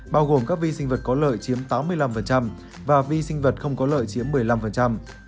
bao gồm các vi sinh vật có lợi chiếm tám mươi năm và vi sinh vật không có lợi chiếm một mươi năm